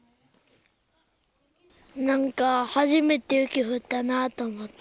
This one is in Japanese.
なんか、初めて雪降ったなと思った。